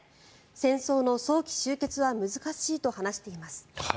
戦争の早期終結は難しいと話しています。